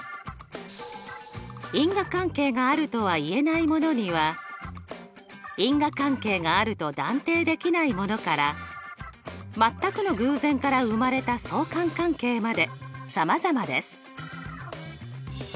因果関係があるとはいえないものには因果関係があると断定できないものからまったくの偶然から生まれた相関関係までさまざまです。